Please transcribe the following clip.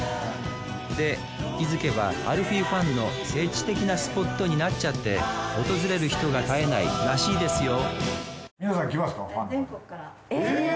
で気付けばアルフィーファンの聖地的なスポットになっちゃって訪れる人が絶えないらしいですよえっ！